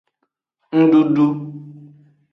Ndudu.